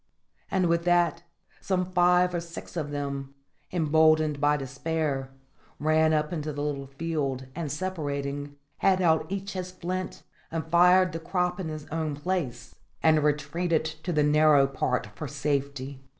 And with that, some fire or six of them, emboldened by despair, ran up into the little field, and, separating, had out each his flint and fired the crop in his own place, and retreated to the narrow part for safety.